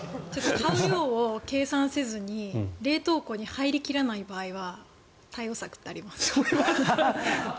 買う量を計算せずに冷凍庫に入り切らない場合は対応策ってありますか？